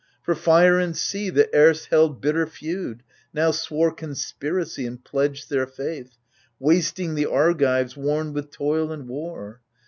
For fire and sea, that erst held bitter feud, Now swore conspiracy and pledged their foith, Wasting the Argives. worn with toil and war.